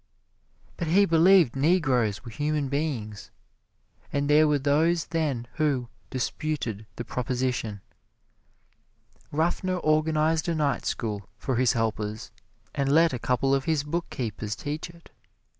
But he believed Negroes were human beings, and there were those then who disputed the proposition. Ruffner organized a night school for his helpers, and let a couple of his bookkeepers teach it.